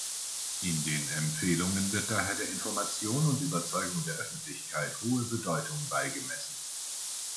In den Empfehlungen wird daher der Information und Überzeugung der Öffentlichkeit hohe Bedeutung beigemessen.